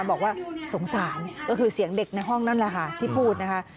บอกว่าสงสารก็คือเสียงเด็กในห้องนั่นแหละค่ะที่พูดนะคะ